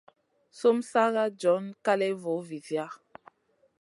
Sumu sa john kaléya vo vizia.